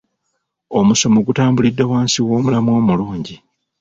Omusomo gutambulidde wansi w'omulamwa omulungi.